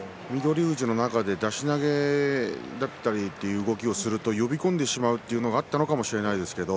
富士の中で出し投げだったりという動きをすると呼び込んでしまうということがあったのかもしれません。